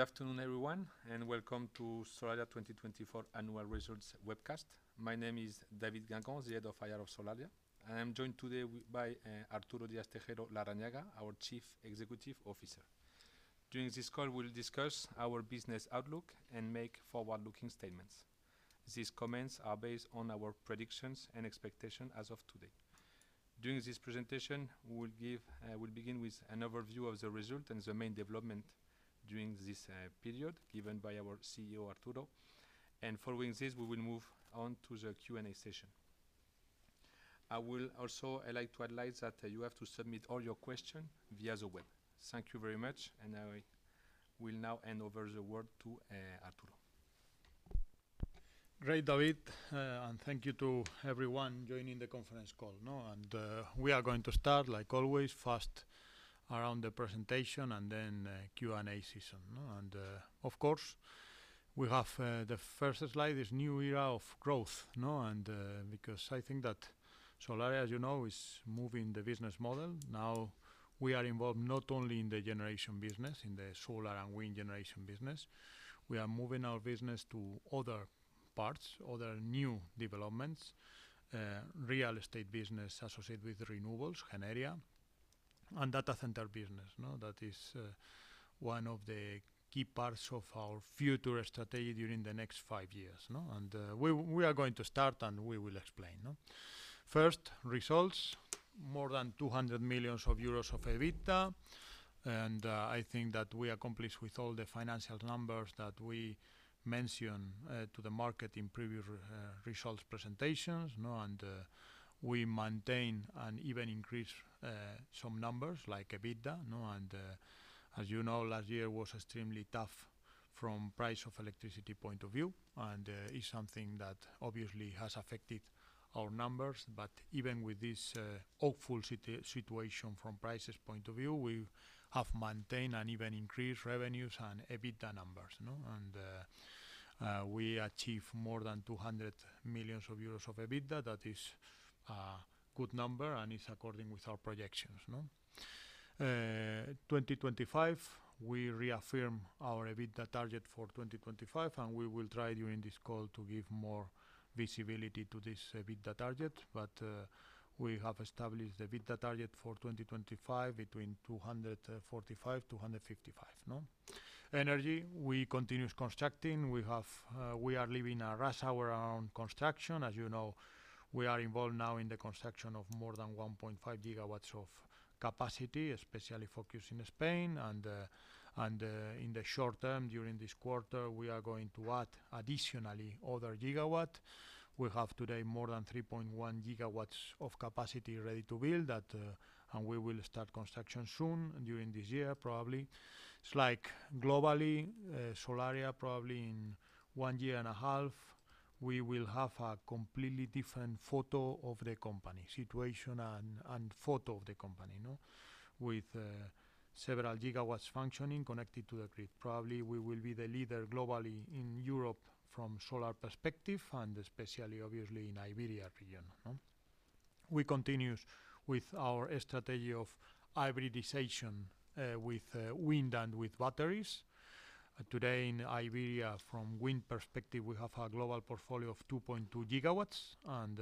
Good afternoon, everyone, and welcome to Solaria 2024 Annual Results Webcast. My name is David Guengant, the Head of IR of Solaria, and I'm joined today by Arturo Díaz-Tejeiro Larrañaga, our Chief Executive Officer. During this call, we'll discuss our business outlook and make forward-looking statements. These comments are based on our predictions and expectations as of today. During this presentation, we'll begin with an overview of the result and the main development during this period given by our CEO, Arturo, and following this, we will move on to the Q&A session. I would also like to advise that you have to submit all your questions via the web. Thank you very much, and I will now hand over the word to Arturo. Great, David, and thank you to everyone joining the conference call. We are going to start, like always, fast around the presentation and then Q&A session. Of course, we have the first slide, this new era of growth, because I think that Solaria, as you know, is moving the business model. Now we are involved not only in the generation business, in the solar and wind generation business. We are moving our business to other parts, other new developments, real estate business associated with renewables, energy and data center business. That is one of the key parts of our future strategy during the next five years. We are going to start, and we will explain. First, results, more than 200 million euros of EBITDA, and I think that we accomplished with all the financial numbers that we mentioned to the market in previous results presentations. We maintain and even increase some numbers like EBITDA. As you know, last year was extremely tough from the price of electricity point of view, and it's something that obviously has affected our numbers. But even with this hopeful situation from prices point of view, we have maintained and even increased revenues and EBITDA numbers. And we achieved more than 200 million euros of EBITDA. That is a good number, and it's according with our projections. 2025, we reaffirm our EBITDA target for 2025, and we will try during this call to give more visibility to this EBITDA target. But we have established the EBITDA target for 2025 between 245-255. Energy, we continue constructing. We are living a rush hour around construction. As you know, we are involved now in the construction of more than 1.5 gigawatts of capacity, especially focusing in Spain. And in the short term, during this quarter, we are going to add additionally other gigawatts. We have today more than 3.1 gigawatts of capacity ready to build, and we will start construction soon during this year, probably. It's like globally, Solaria, probably in one year and a half, we will have a completely different photo of the company, situation and photo of the company, with several gigawatts functioning connected to the grid. Probably we will be the leader globally in Europe from a solar perspective, and especially obviously in the Iberia region. We continue with our strategy of hybridization with wind and with batteries. Today in Iberia, from a wind perspective, we have a global portfolio of 2.2 gigawatts, and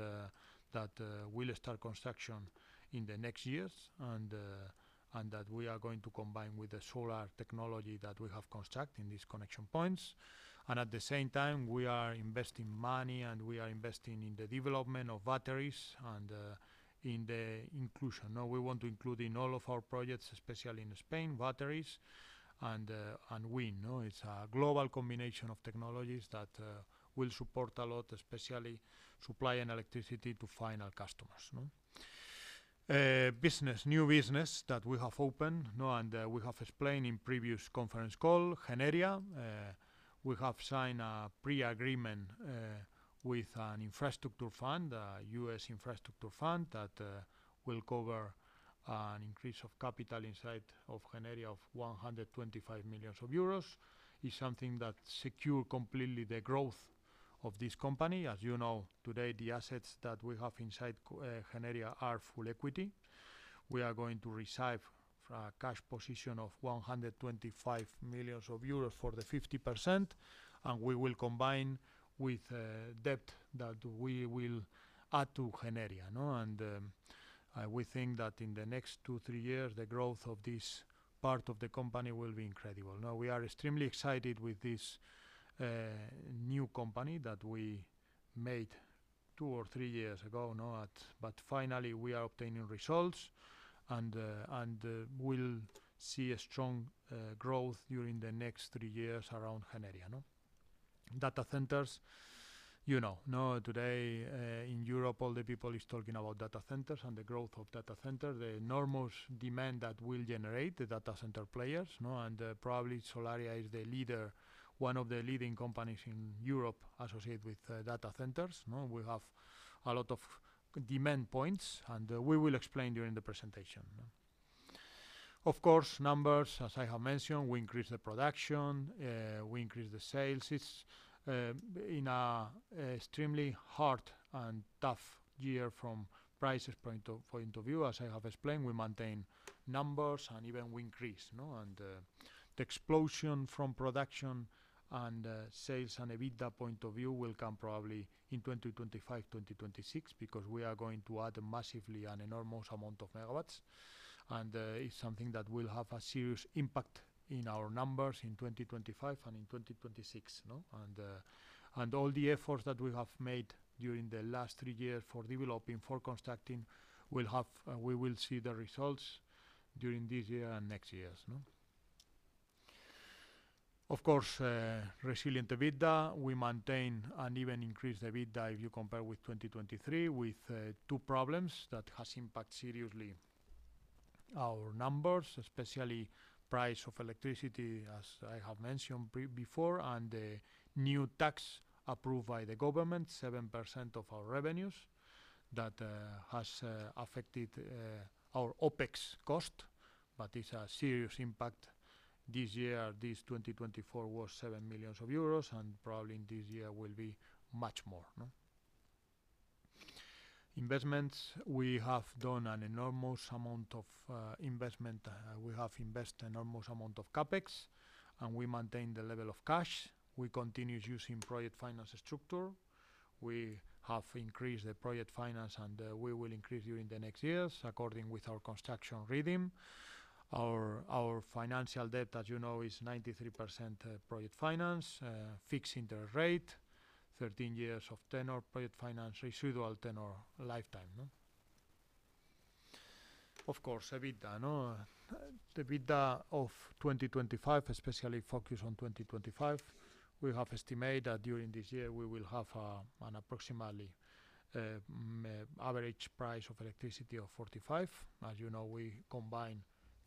that we'll start construction in the next years, and that we are going to combine with the solar technology that we have constructed in these connection points. And at the same time, we are investing money, and we are investing in the development of batteries and in the inclusion. We want to include in all of our projects, especially in Spain, batteries and wind. It's a global combination of technologies that will support a lot, especially supplying electricity to final customers. Business, new business that we have opened, and we have explained in previous conference call, Genergia. We have signed a pre-agreement with an infrastructure fund, a U.S. infrastructure fund that will cover an increase of capital inside of Genergia of 125 million euros. It's something that secures completely the growth of this company. As you know, today the assets that we have inside Genergia are full equity. We are going to receive a cash position of 125 million euros for the 50%, and we will combine with debt that we will add to Genergia. We think that in the next two, three years, the growth of this part of the company will be incredible. We are extremely excited with this new company that we made two or three years ago, but finally we are obtaining results, and we'll see a strong growth during the next three years around energy. Data centers, you know, today in Europe, all the people are talking about data centers and the growth of data centers, the enormous demand that will generate the data center players. Probably Solaria is the leader, one of the leading companies in Europe associated with data centers. We have a lot of demand points, and we will explain during the presentation. Of course, numbers, as I have mentioned, we increased the production, we increased the sales. It's in an extremely hard and tough year from a price point of view. As I have explained, we maintain numbers and even we increase. And the explosion from production and sales and EBITDA point of view will come probably in 2025, 2026, because we are going to add massively an enormous amount of megawatts. And it's something that will have a serious impact in our numbers in 2025 and in 2026. And all the efforts that we have made during the last three years for developing, for constructing, we will see the results during this year and next years. Of course, resilient EBITDA, we maintain and even increase the EBITDA if you compare with 2023, with two problems that have impacted seriously our numbers, especially the price of electricity, as I have mentioned before, and the new tax approved by the government, 7% of our revenues, that has affected our OPEX cost, but it's a serious impact. This year, this 2024, was 7 million euros, and probably in this year will be much more. Investments, we have done an enormous amount of investment. We have invested an enormous amount of CapEx, and we maintain the level of cash. We continue using project finance structure. We have increased the project finance, and we will increase during the next years according with our construction reading. Our financial debt, as you know, is 93% project finance, fixed interest rate, 13 years of tenor project finance, residual tenor lifetime. Of course, EBITDA, the EBITDA of 2025, especially focus on 2025. We have estimated that during this year we will have an approximately average price of electricity of 45. As you know, we combine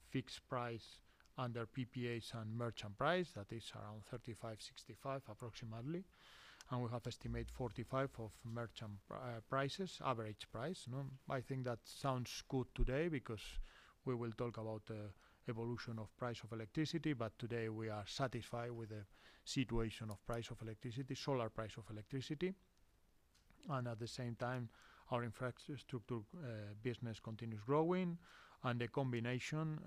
fixed price under PPAs and merchant price, that is around 35-65 approximately, and we have estimated 45 of merchant prices, average price. I think that sounds good today because we will talk about the evolution of the price of electricity, but today we are satisfied with the situation of the price of electricity, solar price of electricity, and at the same time, our infrastructure business continues growing, and the combination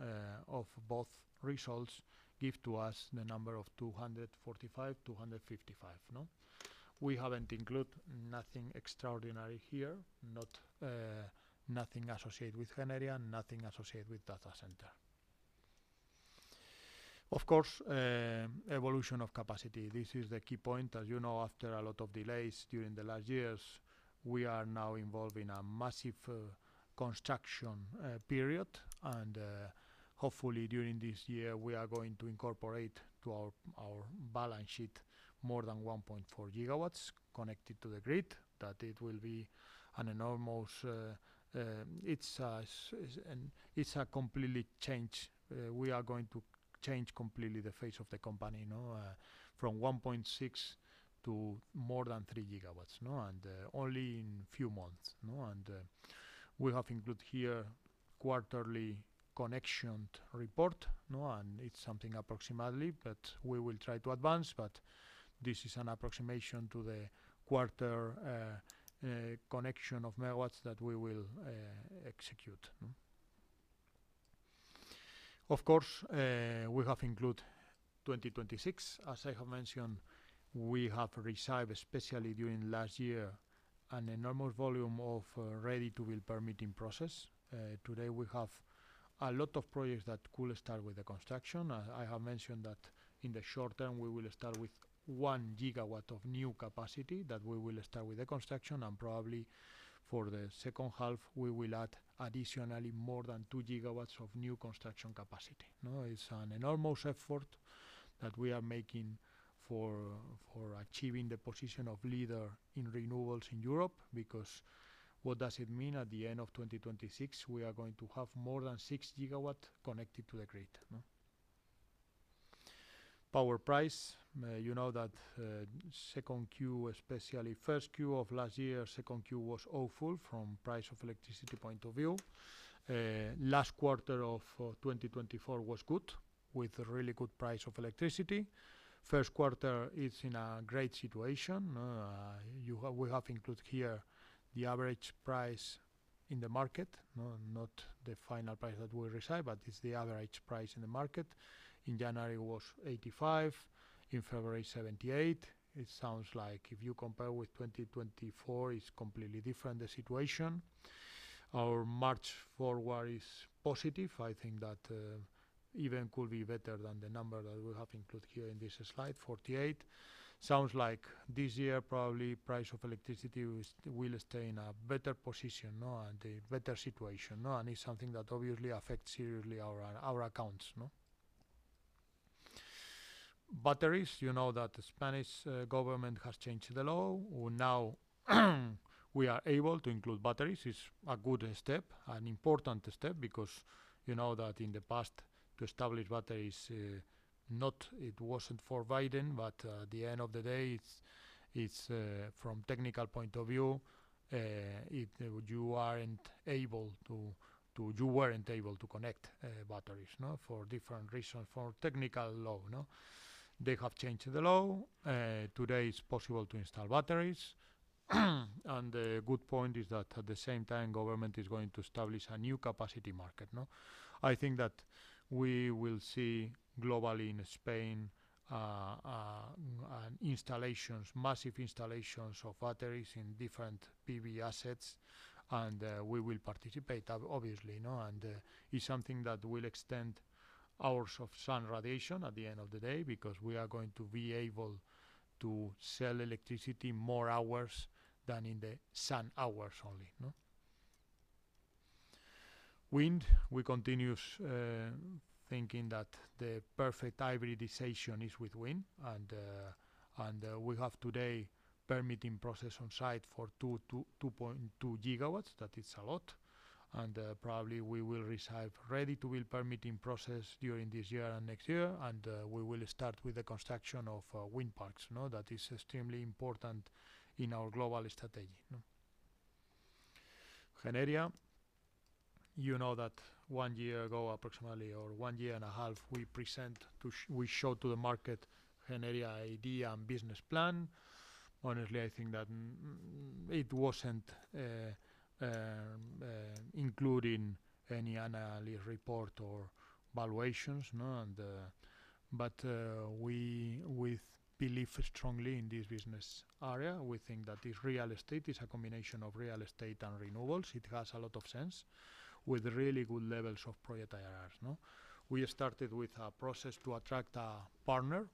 of both results gives to us the number of 245-255. We haven't included nothing extraordinary here, nothing associated with energy and nothing associated with data center. Of course, evolution of capacity, this is the key point. As you know, after a lot of delays during the last years, we are now involved in a massive construction period, and hopefully during this year we are going to incorporate to our balance sheet more than 1.4 gigawatts connected to the grid, that it will be an enormous complete change. We are going to change completely the face of the company from 1.6 to more than 3 gigawatts, and only in a few months, and we have included here a quarterly connection report, and it's something approximately, but we will try to advance, but this is an approximation to the quarter connection of megawatts that we will execute. Of course, we have included 2026. As I have mentioned, we have received, especially during last year, an enormous volume of ready-to-build permitting process. Today we have a lot of projects that could start with the construction. I have mentioned that in the short term we will start with 1 gigawatt of new capacity that we will start with the construction, and probably for the second half we will add additionally more than 2 gigawatts of new construction capacity. It's an enormous effort that we are making for achieving the position of leader in renewables in Europe, because what does it mean at the end of 2026? We are going to have more than six gigawatts connected to the grid. Power price, you know that second Q, especially first Q of last year, second Q was hopeful from a price of electricity point of view. Last quarter of 2024 was good with really good price of electricity. First quarter is in a great situation. We have included here the average price in the market, not the final price that we received, but it's the average price in the market. In January it was 85, in February 78. It sounds like if you compare with 2024, it's completely different the situation. Our March forward is positive. I think that even could be better than the number that we have included here in this slide, 48. Sounds like this year probably price of electricity will stay in a better position and a better situation, and it's something that obviously affects seriously our accounts. Batteries, you know that the Spanish government has changed the law. Now we are able to include batteries. It's a good step, an important step, because you know that in the past to establish batteries, it wasn't forbidden, but at the end of the day, from a technical point of view, you weren't able to connect batteries for different reasons, for technical law. They have changed the law. Today it's possible to install batteries, and the good point is that at the same time, government is going to establish a new capacity market. I think that we will see globally in Spain installations, massive installations of batteries in different PV assets, and we will participate, obviously, and it's something that will extend hours of sun radiation at the end of the day, because we are going to be able to sell electricity more hours than in the sun hours only. Wind, we continue thinking that the perfect hybridization is with wind, and we have today permitting process on site for 2.2 gigawatts, that it's a lot, and probably we will receive ready-to-build permitting process during this year and next year, and we will start with the construction of wind parks. That is extremely important in our global strategy. Genergia, you know that one year ago approximately, or one year and a half, we showed to the market Genergia ID and business plan. Honestly, I think that it wasn't including any analysis report or valuations. But we believe strongly in this business area. We think that this real estate is a combination of real estate and renewables. It has a lot of sense with really good levels of project IRRs. We started with a process to attract a partner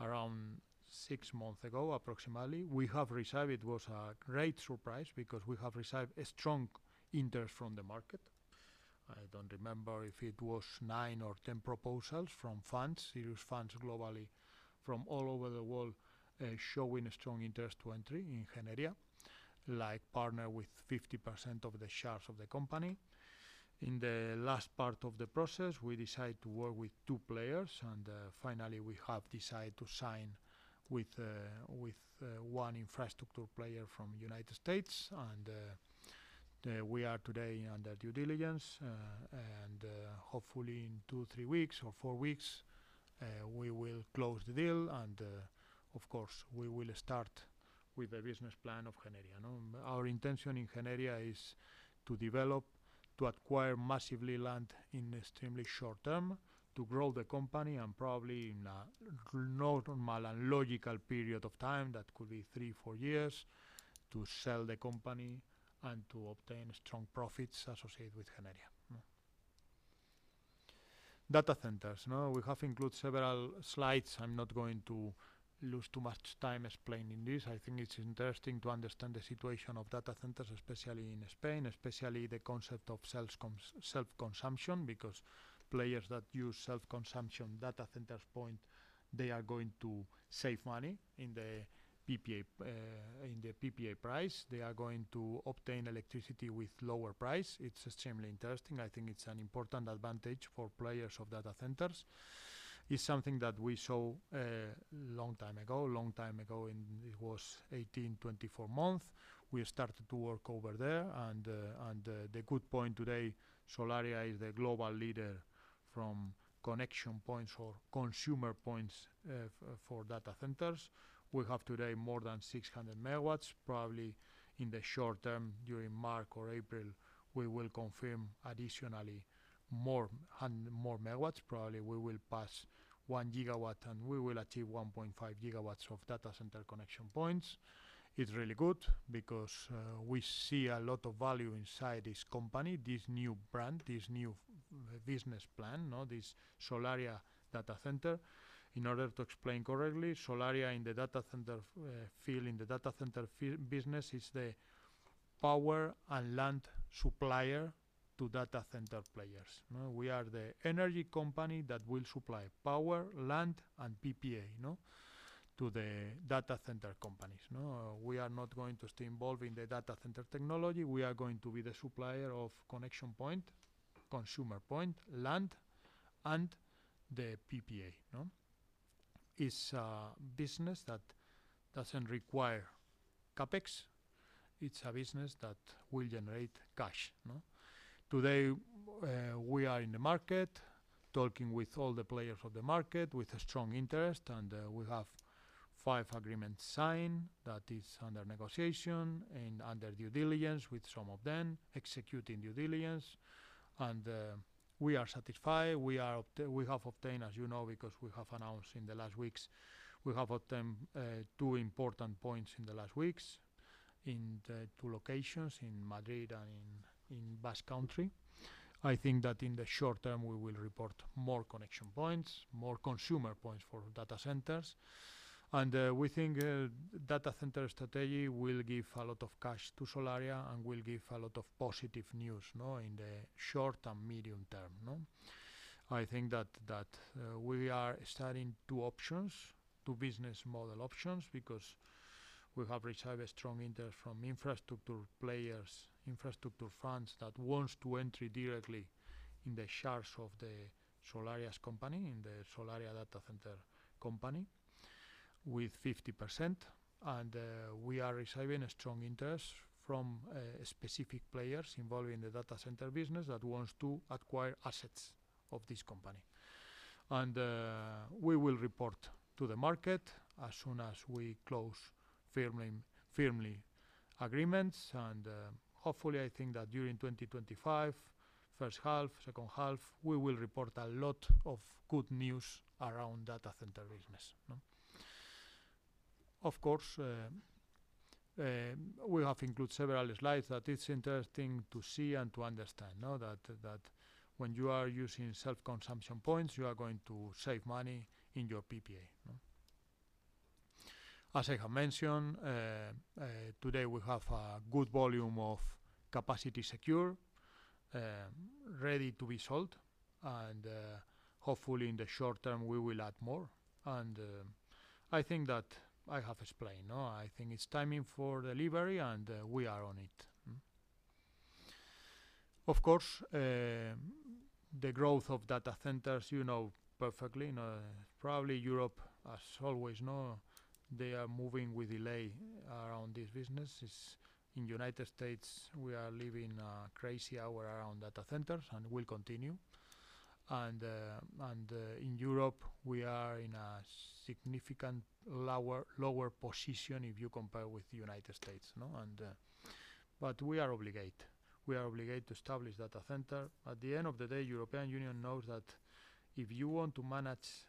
around six months ago approximately. We have received, it was a great surprise, because we have received strong interest from the market. I don't remember if it was nine or 10 proposals from funds, serious funds globally from all over the world showing strong interest to entry in Genergia, like partner with 50% of the shares of the company. In the last part of the process, we decided to work with two players, and finally we have decided to sign with one infrastructure player from the United States. We are today under due diligence, and hopefully in two, three weeks or four weeks, we will close the deal, and of course we will start with the business plan of Genergia. Our intention in Genergia is to develop, to acquire massively land in an extremely short term, to grow the company, and probably in a normal and logical period of time, that could be three, four years, to sell the company and to obtain strong profits associated with Genergia. Data centers, we have included several slides. I'm not going to lose too much time explaining this. I think it's interesting to understand the situation of data centers, especially in Spain, especially the concept of self-consumption, because players that use self-consumption data centers point, they are going to save money in the PPA price. They are going to obtain electricity with lower price. It's extremely interesting. I think it's an important advantage for players of data centers. It's something that we saw a long time ago. A long time ago, it was 18, 24 months. We started to work over there, and the good point today, Solaria is the global leader from connection points or consumer points for data centers. We have today more than 600 megawatts. Probably in the short term, during March or April, we will confirm additionally more megawatts. Probably we will pass one gigawatt, and we will achieve 1.5 gigawatts of data center connection points. It's really good because we see a lot of value inside this company, this new brand, this new business plan, this Solaria Data Center. In order to explain correctly, Solaria in the data center field, in the data center business, is the power and land supplier to data center players. We are the energy company that will supply power, land, and PPA to the data center companies. We are not going to stay involved in the data center technology. We are going to be the supplier of connection point, consumer point, land, and the PPA. It's a business that doesn't require CAPEX. It's a business that will generate cash. Today we are in the market, talking with all the players of the market with strong interest, and we have five agreements signed that are under negotiation and under due diligence with some of them, executing due diligence, and we are satisfied. We have obtained, as you know, because we have announced in the last weeks, we have obtained two important points in the last weeks in two locations, in Madrid and in Basque Country. I think that in the short term we will report more connection points, more consumption points for data centers, and we think data center strategy will give a lot of cash to Solaria and will give a lot of positive news in the short and medium term. I think that we are starting two options, two business model options, because we have received strong interest from infrastructure players, infrastructure funds that want to enter directly in the shares of the Solaria company, in the Solaria Data Center company with 50%, and we are receiving strong interest from specific players involving the data center business that want to acquire assets of this company, and we will report to the market as soon as we close firm agreements, and hopefully I think that during 2025, first half, second half, we will report a lot of good news around data center business. Of course, we have included several slides that it's interesting to see and to understand that when you are using self-consumption points, you are going to save money in your PPA. As I have mentioned, today we have a good volume of capacity secure ready to be sold, and hopefully in the short term we will add more. And I think that I have explained. I think it's timing for delivery, and we are on it. Of course, the growth of data centers, you know perfectly. Probably Europe, as always, they are moving with delay around this business. In the United States, we are living a crazy hour around data centers, and we'll continue. And in Europe, we are in a significant lower position if you compare with the United States. But we are obligated. We are obligated to establish data center. At the end of the day, the European Union knows that if you want to manage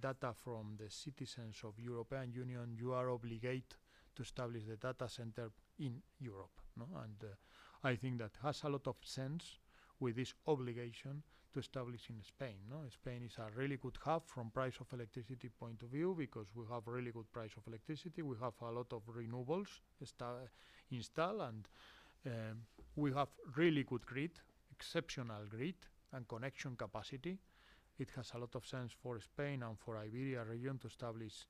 data from the citizens of the European Union, you are obligated to establish the data center in Europe. And I think that has a lot of sense with this obligation to establish in Spain. Spain is a really good hub from a price of electricity point of view, because we have a really good price of electricity. We have a lot of renewables installed, and we have really good grid, exceptional grid and connection capacity. It has a lot of sense for Spain and for Iberia region to establish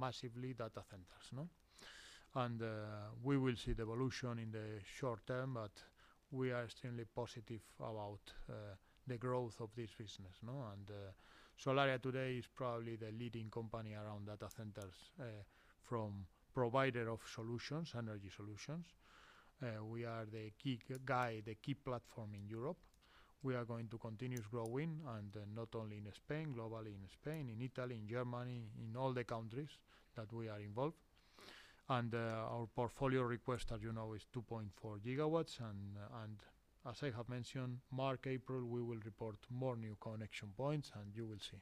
massively data centers. And we will see the evolution in the short term, but we are extremely positive about the growth of this business. And Solaria today is probably the leading company around data centers from provider of solutions, energy solutions. We are the key guide, the key platform in Europe. We are going to continue growing, and not only in Spain, globally in Spain, in Italy, in Germany, in all the countries that we are involved. And our portfolio request, as you know, is 2.4 gigawatts. And as I have mentioned, March, April, we will report more new connection points, and you will see.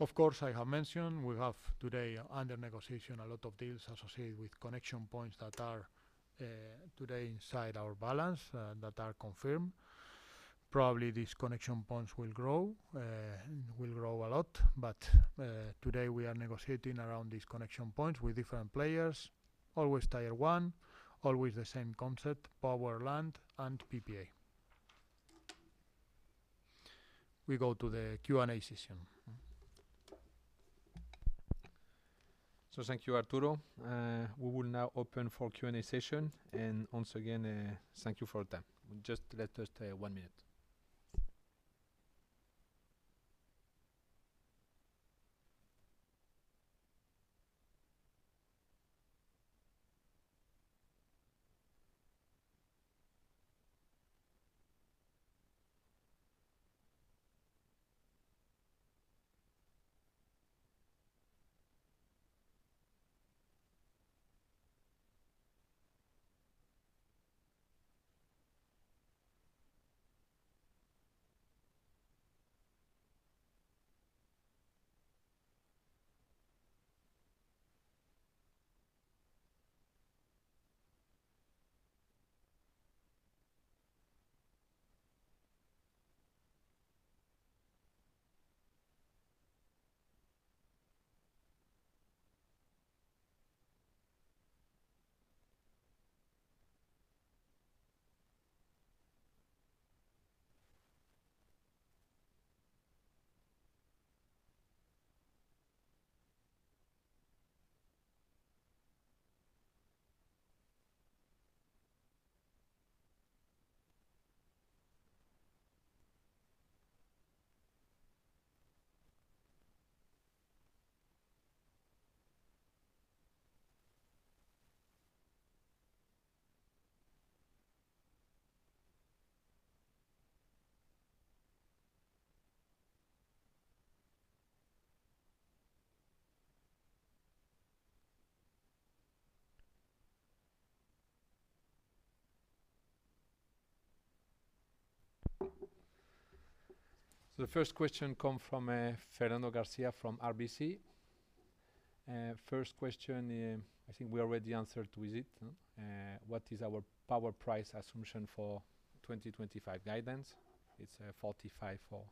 Of course, I have mentioned we have today under negotiation a lot of deals associated with connection points that are today inside our balance that are confirmed. Probably these connection points will grow, will grow a lot, but today we are negotiating around these connection points with different players. Always tier one, always the same concept, power, land, and PPA. We go to the Q&A session. So thank you, Arturo. We will now open for Q&A session, and once again, thank you for your time. Just let us stay one minute, so the first question comes from Fernando Garcia from RBC. First question, I think we already answered, was it? What is our power price assumption for 2025 guidance? It's 45 for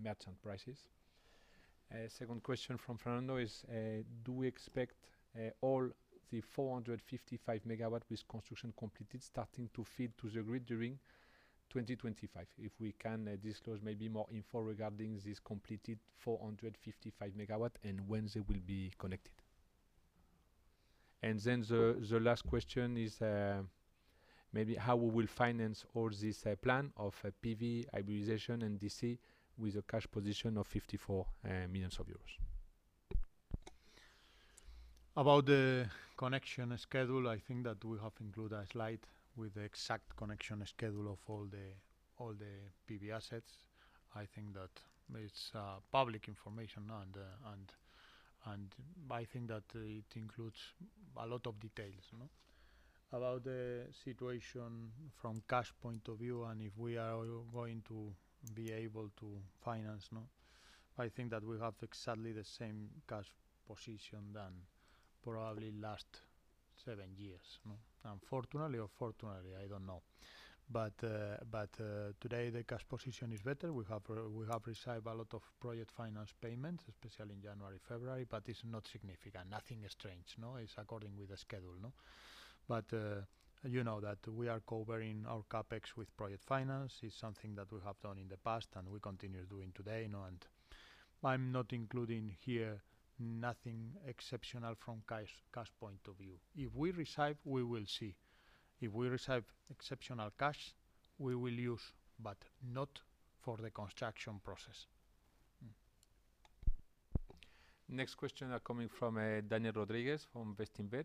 merchant prices. Second question from Fernando is, do we expect all the 455 megawatts with construction completed starting to feed to the grid during 2025? If we can disclose maybe more info regarding this completed 455 megawatts and when they will be connected, and then the last question is maybe how we will finance all this plan of PV hybridization and DC with a cash position of 54 million euros. About the connection schedule, I think that we have included a slide with the exact connection schedule of all the PV assets. I think that it's public information, and I think that it includes a lot of details. About the situation from a cash point of view and if we are going to be able to finance, I think that we have exactly the same cash position than probably last seven years. Unfortunately or fortunately, I don't know. But today the cash position is better. We have received a lot of project finance payments, especially in January, February, but it's not significant. Nothing strange. It's according with the schedule. But you know that we are covering our CAPEX with project finance. It's something that we have done in the past and we continue doing today. And I'm not including here nothing exceptional from a cash point of view. If we receive, we will see. If we receive exceptional cash, we will use, but not for the construction process. Next question coming from Daniel Rodriguez from Bestinver.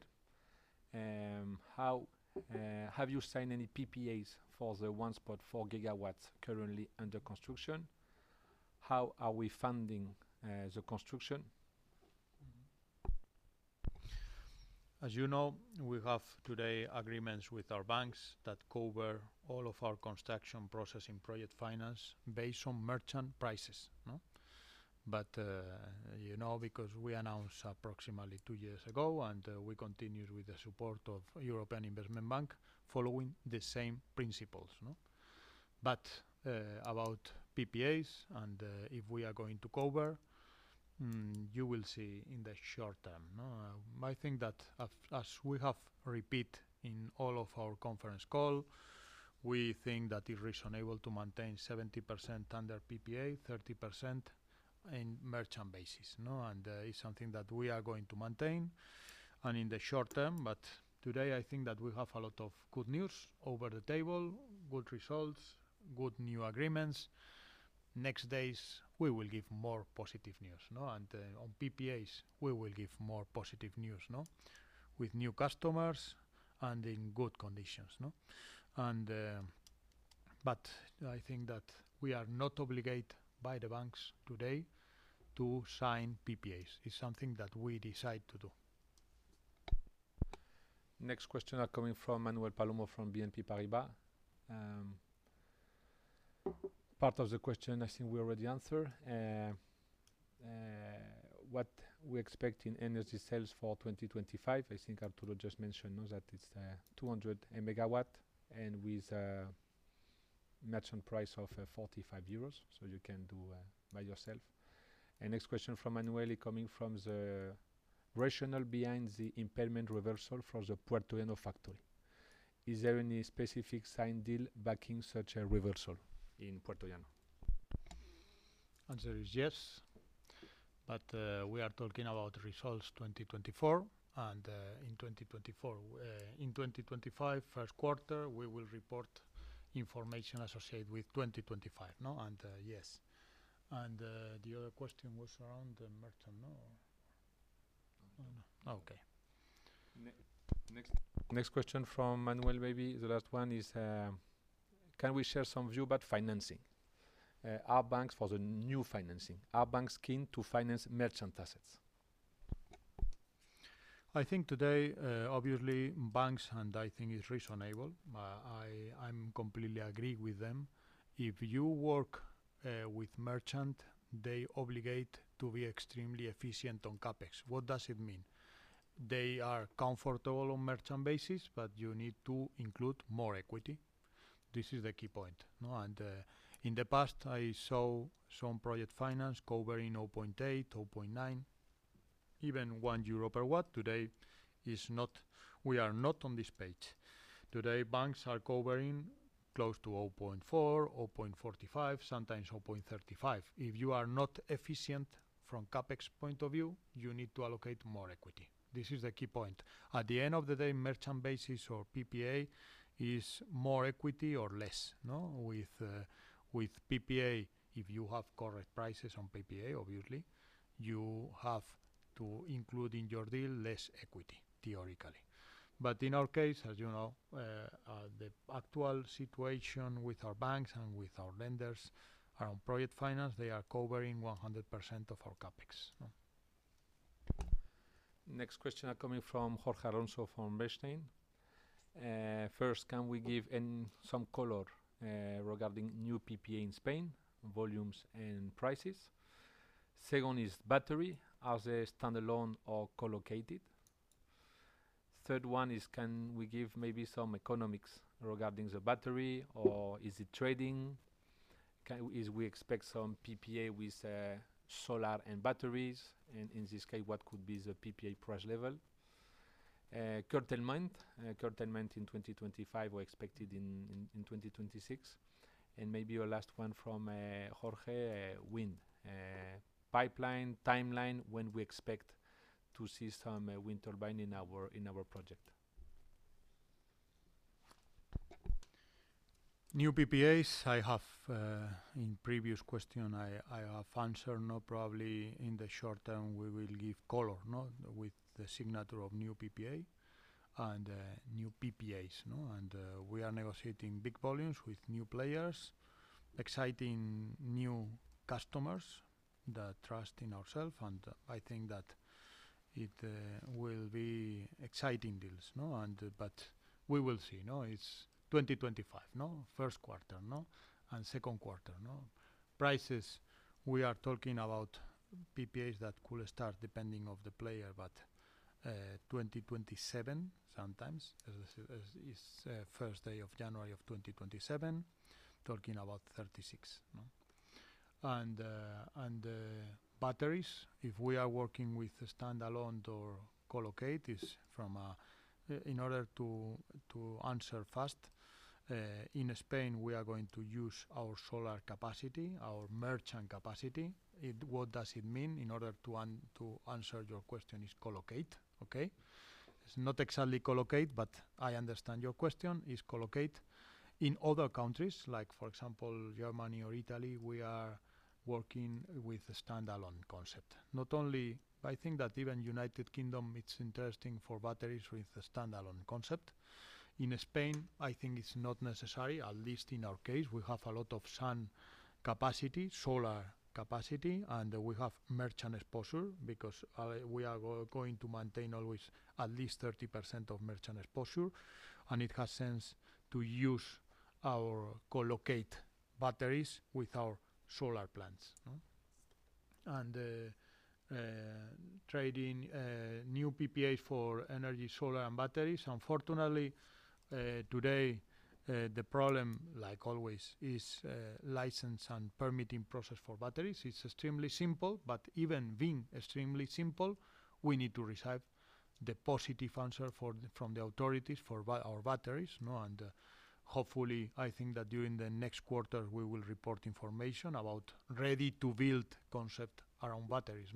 Have you signed any PPAs for the 1.4 gigawatts currently under construction? How are we funding the construction? As you know, we have today agreements with our banks that cover all of our construction phase project finance based on merchant prices. But as we announced approximately two years ago, and we continue with the support of European Investment Bank following the same principles. But about PPAs and if we are going to cover, you will see in the short term. I think that as we have repeated in all of our conference call, we think that it's reasonable to maintain 70% under PPA, 30% in merchant basis, and it's something that we are going to maintain in the short term. But today I think that we have a lot of good news over the table, good results, good new agreements. Next days we will give more positive news. On PPAs we will give more positive news with new customers and in good conditions. But I think that we are not obligated by the banks today to sign PPAs. It's something that we decide to do. Next question coming from Manuel Palomo from BNP Paribas. Part of the question I think we already answered. What we expect in energy sales for 2025, I think Arturo just mentioned that it's 200 megawatts and with a merchant price of 45 euros, so you can do by yourself. And next question from Manuel coming from the rationale behind the impairment reversal for the Puertollano factory. Is there any specific signed deal backing such a reversal in Puertollano? Answer is yes. But we are talking about results 2024, and in 2025, first quarter, we will report information associated with 2025. And yes. And the other question was around the merchant. Okay. Next question from Manuel, maybe the last one, is, can we share some view about financing? Are banks for the new financing? Are banks keen to finance merchant assets? I think today, obviously, banks, and I think it's reasonable. I completely agree with them. If you work with merchant, they are obligated to be extremely efficient on CAPEX. What does it mean? They are comfortable on merchant basis, but you need to include more equity. This is the key point, and in the past, I saw some project finance covering 0.8, 0.9, even 1 euro per watt. Today we are not on this page. Today banks are covering close to 0.4, 0.45, sometimes 0.35. If you are not efficient from a CAPEX point of view, you need to allocate more equity. This is the key point. At the end of the day, merchant basis or PPA is more equity or less. With PPA, if you have correct prices on PPA, obviously, you have to include in your deal less equity, theoretically. But in our case, as you know, the actual situation with our banks and with our lenders around project finance, they are covering 100% of our CAPEX. Next question coming from Jorge Alonso from Bestinver. First, can we give some color regarding new PPA in Spain, volumes and prices? Second is battery, as a standalone or co-located? Third one is, can we give maybe some economics regarding the battery, or is it trading? If we expect some PPA with solar and batteries, and in this case, what could be the PPA price level? Curtailment, curtailment in 2025 or expected in 2026. And maybe your last one from Jorge, wind. Pipeline, timeline, when we expect to see some wind turbine in our project? New PPAs, I have in previous question, I have answered, probably in the short term we will give color with the signature of new PPA and new PPAs. And we are negotiating big volumes with new players, exciting new customers that trust in ourselves, and I think that it will be exciting deals. But we will see. It's 2025, first quarter, and second quarter. Prices, we are talking about PPAs that could start depending on the player, but 2027 sometimes, first day of January of 2027, talking about 36. And batteries, if we are working with standalone or co-located, in order to answer fast, in Spain, we are going to use our solar capacity, our merchant capacity. What does it mean? In order to answer your question, it's co-located. Okay? It's not exactly co-located, but I understand your question. It's co-located. In other countries, like for example, Germany or Italy, we are working with a standalone concept. Not only, I think that even United Kingdom, it's interesting for batteries with a standalone concept. In Spain, I think it's not necessary, at least in our case, we have a lot of sun capacity, solar capacity, and we have merchant exposure because we are going to maintain always at least 30% of merchant exposure, and it has sense to use our co-located batteries with our solar plants and trading new PPAs for energy, solar, and batteries. Unfortunately, today the problem, like always, is license and permitting process for batteries. It's extremely simple, but even being extremely simple, we need to receive the positive answer from the authorities for our batteries. Hopefully, I think that during the next quarter, we will report information about ready-to-build concept around batteries.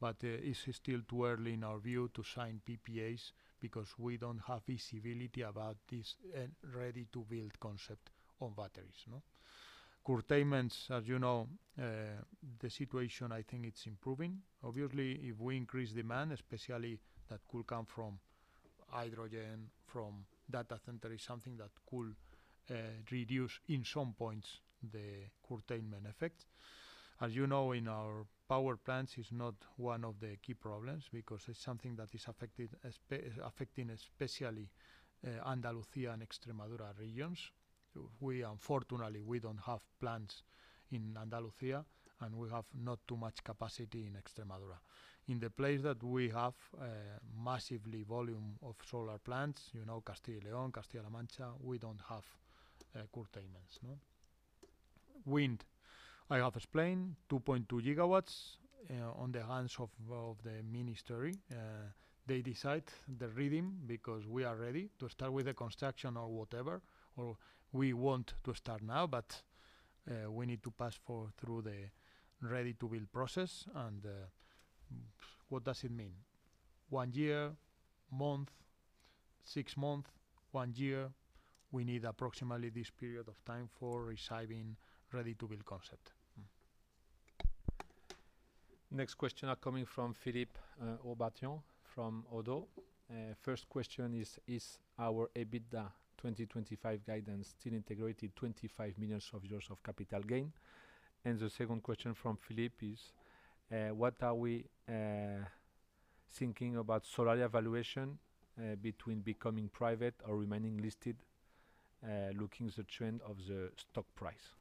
But it's still too early in our view to sign PPAs because we don't have visibility about this ready-to-build concept on batteries. Curtailments, as you know, the situation I think it's improving. Obviously, if we increase demand, especially that could come from hydrogen, from data center, is something that could reduce in some points the curtailment effect. As you know, in our power plants, it's not one of the key problems because it's something that is affecting especially Andalucía and Extremadura regions. Unfortunately, we don't have plants in Andalucía, and we have not too much capacity in Extremadura. In the place that we have massively volume of solar plants, Castilla y León, Castilla-La Mancha, we don't have curtailments. Wind, I have explained, 2.2 gigawatts on the hands of the ministry. They decide the reading because we are ready to start with the construction or whatever. We want to start now, but we need to pass through the Ready-to-Build process. What does it mean? One year, one month, six months, one year, we need approximately this period of time for receiving Ready-to-Build concept. Next question coming from Philippe Ourpatian from Oddo. First question is, is our EBITDA 2025 guidance still integrated 25 million euros of capital gain? The second question from Philippe is, what are we thinking about Solaria valuation between becoming private or remaining listed, looking at the trend of the stock price?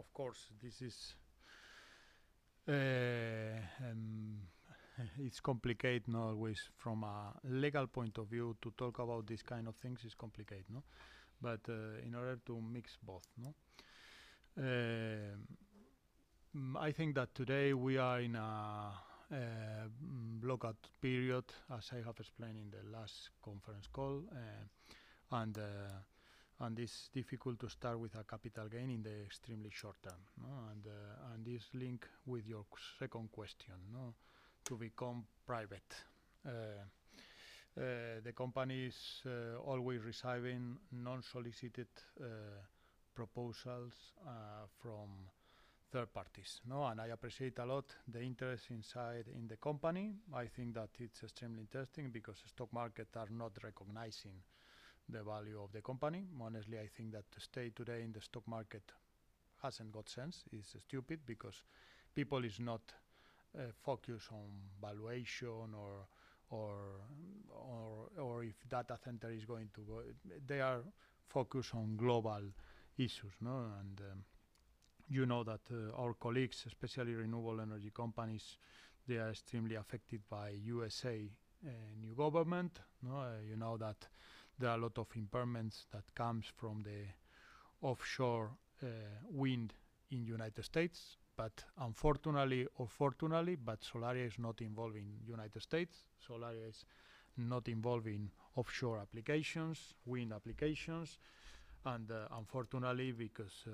Of course, it's complicated, not always from a legal point of view to talk about these kinds of things. It's complicated. But in order to mix both, I think that today we are in a blackout period, as I have explained in the last conference call, and it's difficult to start with a capital gain in the extremely short term. And this link with your second question, to become private. The company is always receiving unsolicited proposals from third parties. And I appreciate a lot the interest inside in the company. I think that it's extremely interesting because the stock market is not recognizing the value of the company. Honestly, I think that to stay today in the stock market hasn't got sense. It's stupid because people are not focused on valuation or if data center is going to go. They are focused on global issues. And you know that our colleagues, especially renewable energy companies, they are extremely affected by the U.S. new government. You know that there are a lot of impairments that come from the offshore wind in the United States. But unfortunately or fortunately, solar is not involving the United States. Solar is not involving offshore applications, wind applications. And unfortunately, because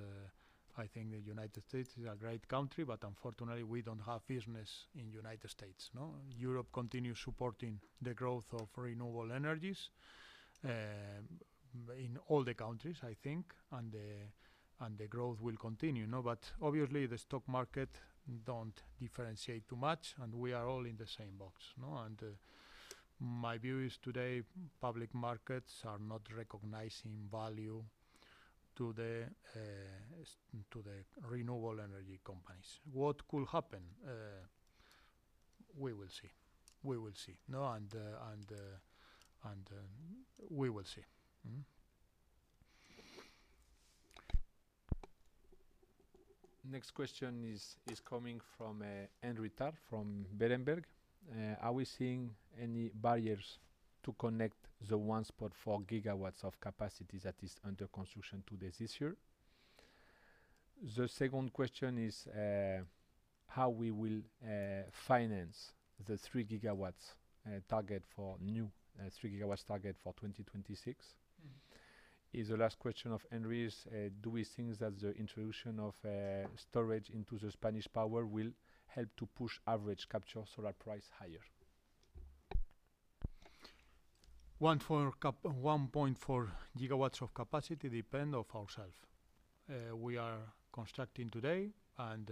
I think the United States is a great country, but unfortunately, we don't have business in the United States. Europe continues supporting the growth of renewable energies in all the countries, I think, and the growth will continue. But obviously, the stock market doesn't differentiate too much, and we are all in the same box. And my view is today public markets are not recognizing value to the renewable energy companies. What could happen? We will see. We will see. And we will see. Next question is coming from Henry Tarr from Berenberg. Are we seeing any barriers to connect the 1 GW of capacity that is under construction today this year? The second question is how we will finance the 3 gigawatts target for new 3 gigawatts target for 2026. The last question of Henry is, do we think that the introduction of storage into the Spanish power will help to push average capture solar price higher? 1.4 gigawatts of capacity depends on ourselves. We are constructing today, and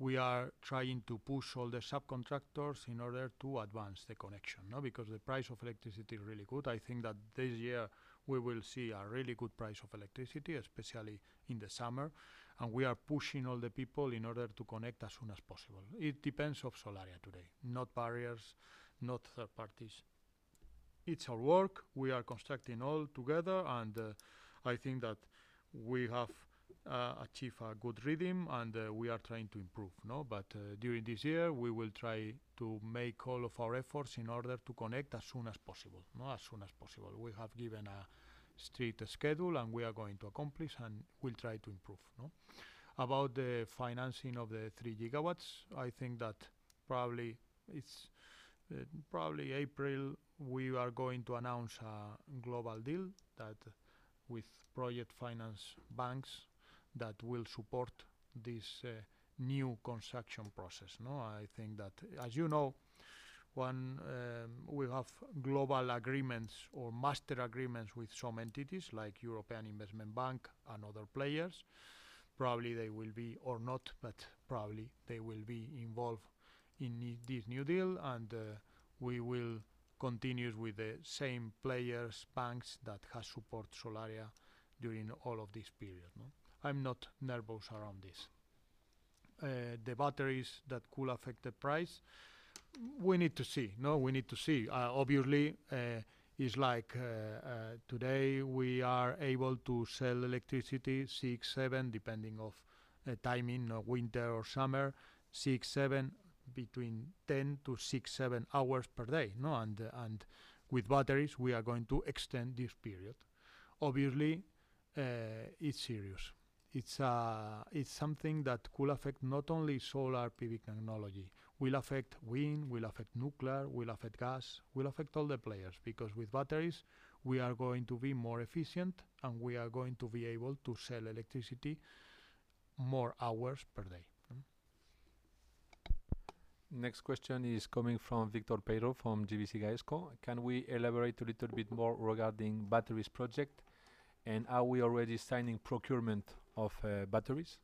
we are trying to push all the subcontractors in order to advance the connection because the price of electricity is really good. I think that this year we will see a really good price of electricity, especially in the summer. We are pushing all the people in order to connect as soon as possible. It depends on solar today, not barriers, not third parties. It's our work. We are constructing all together, and I think that we have achieved a good reading, and we are trying to improve. But during this year, we will try to make all of our efforts in order to connect as soon as possible, as soon as possible. We have given a strict schedule, and we are going to accomplish, and we'll try to improve. About the financing of the three gigawatts, I think that probably April, we are going to announce a global deal with project finance banks that will support this new construction process. I think that, as you know, we have global agreements or master agreements with some entities like European Investment Bank and other players. Probably they will be or not, but probably they will be involved in this new deal, and we will continue with the same players' banks that have supported solar during all of this period. I'm not nervous around this. The batteries that could affect the price, we need to see. We need to see. Obviously, it's like today we are able to sell electricity six, seven, depending on the timing, winter or summer, six, seven, between 10 to six, seven hours per day. And with batteries, we are going to extend this period. Obviously, it's serious. It's something that could affect not only solar PV technology. It will affect wind, will affect nuclear, will affect gas, will affect all the players because with batteries, we are going to be more efficient, and we are going to be able to sell electricity more hours per day. Next question is coming from Victor Peiro from GVC Gaesco. Can we elaborate a little bit more regarding the batteries project and how we are already signing procurement of batteries?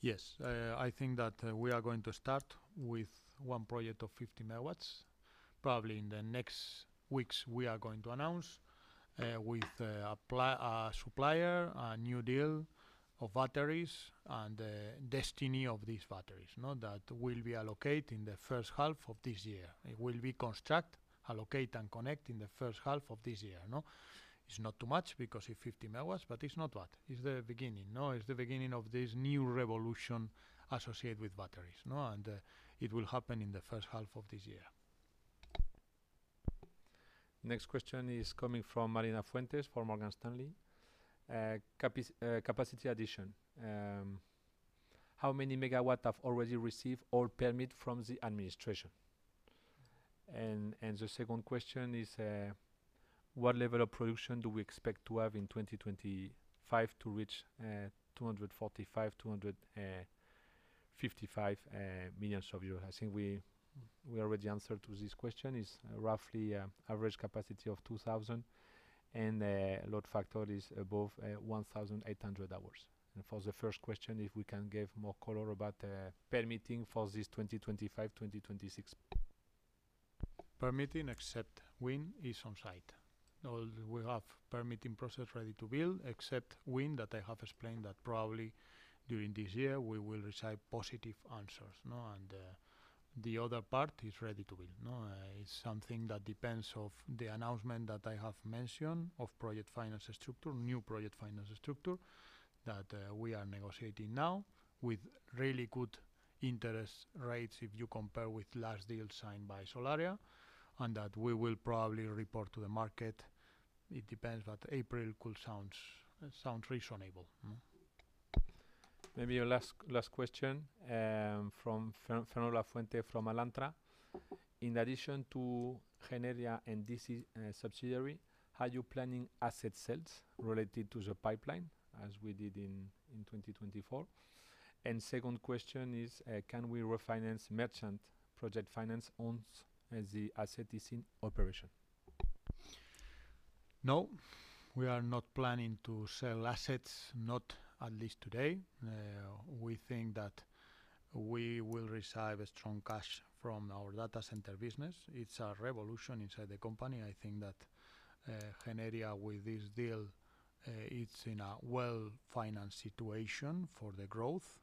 Yes. I think that we are going to start with one project of 50 megawatts. Probably in the next weeks, we are going to announce with a supplier a new deal of batteries and the destiny of these batteries that will be allocated in the first half of this year. It will be construct, allocate, and connect in the first half of this year. It's not too much because it's 50 megawatts, but it's not that. It's the beginning. It's the beginning of this new revolution associated with batteries, and it will happen in the first half of this year. Next question is coming from Marina Garcia for Morgan Stanley. Capacity addition. How many megawatts have already received all permits from the administration? And the second question is, what level of production do we expect to have in 2025 to reach 245-255 million euros? I think we already answered this question. It's roughly an average capacity of 2,000, and the load factor is above 1,800 hours. And for the first question, if we can give more color about permitting for this 2025, 2026. Permitting except wind is on site. We have a permitting process ready to build except wind that I have explained that probably during this year we will receive positive answers. And the other part is ready to build. It's something that depends on the announcement that I have mentioned of project finance structure, new project finance structure that we are negotiating now with really good interest rates if you compare with last deal signed by Solaria, and that we will probably report to the market. It depends, but April could sound reasonable. Maybe your last question from Fernando Lafuente from Alantra. In addition to Generia and this subsidiary, are you planning asset sales related to the pipeline as we did in 2024? And the second question is, can we refinance merchant project finance once the asset is in operation? No. We are not planning to sell assets, not at least today. We think that we will receive strong cash from our data center business. It's a revolution inside the company. I think that Generia, with this deal, it's in a well-financed situation for the growth.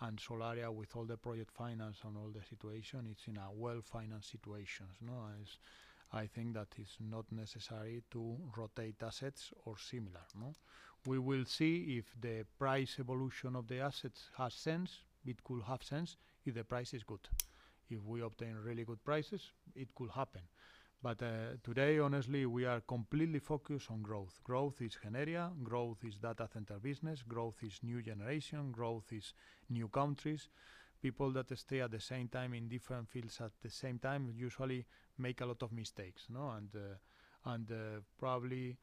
And Solaria, with all the project finance and all the situation, it's in a well-financed situation. I think that it's not necessary to rotate assets or similar. We will see if the price evolution of the assets has sense. It could have sense if the price is good. If we obtain really good prices, it could happen. But today, honestly, we are completely focused on growth. Growth is Generia. Growth is data center business. Growth is new generation. Growth is new countries. People that stay at the same time in different fields at the same time usually make a lot of mistakes. And probably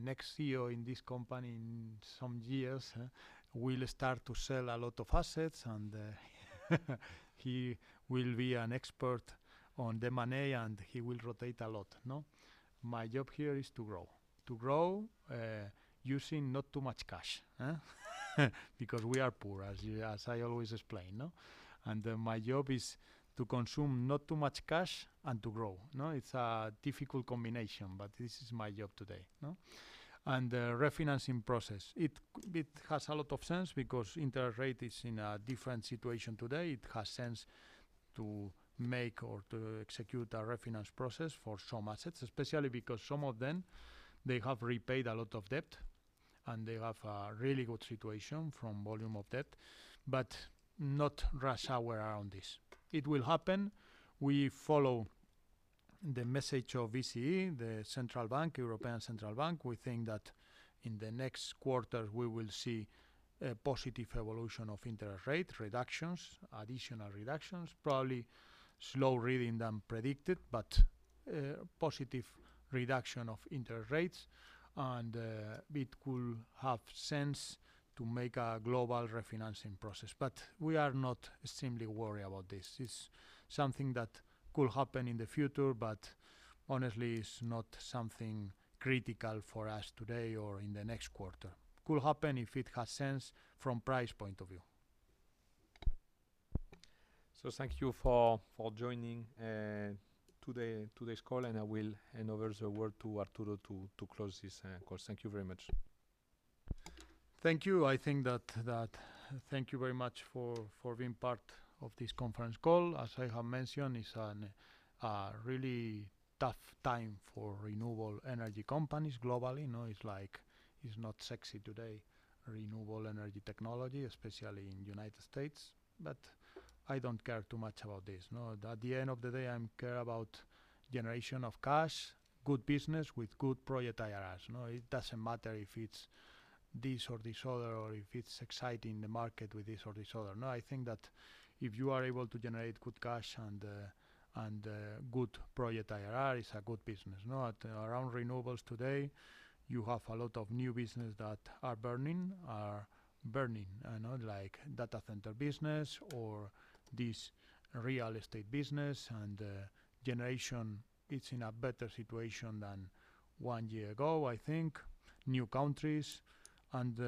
next CEO in this company in some years will start to sell a lot of assets, and he will be an expert on the money, and he will rotate a lot. My job here is to grow, to grow using not too much cash because we are poor, as I always explain. And my job is to consume not too much cash and to grow. It's a difficult combination, but this is my job today. And the refinancing process, it has a lot of sense because interest rate is in a different situation today. It has sense to make or to execute a refinance process for some assets, especially because some of them, they have repaid a lot of debt, and they have a really good situation from volume of debt, but not rushing this. It will happen. We follow the message of ECB, the European Central Bank. We think that in the next quarter, we will see a positive evolution of interest rate reductions, additional reductions, probably slower pace than predicted, but positive reduction of interest rates. It could make sense to make a global refinancing process. We are not extremely worried about this. It's something that could happen in the future, but honestly, it's not something critical for us today or in the next quarter. It could happen if it has sense from a price point of view. Thank you for joining today's call, and I will hand over the word to Arturo to close this call. Thank you very much. Thank you. I think that thank you very much for being part of this conference call. As I have mentioned, it's a really tough time for renewable energy companies globally. It's not sexy today, renewable energy technology, especially in the United States. I don't care too much about this. At the end of the day, I care about generation of cash, good business with good project IRRs. It doesn't matter if it's this or this other or if it's exciting the market with this or this other. I think that if you are able to generate good cash and good project IRR, it's a good business. Around renewables today, you have a lot of new business that are burning, like data center business or this real estate business. And generation, it's in a better situation than one year ago, I think, new countries. And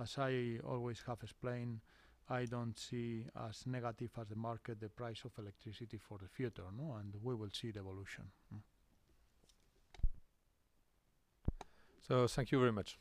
as I always have explained, I don't see as negative as the market the price of electricity for the future. And we will see the evolution. So thank you very much.